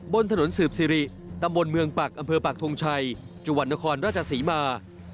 บนถนนสืบสิริตำบลเมืองปักอำเภอปักทงชัยจังหวัดนครราชศรีมา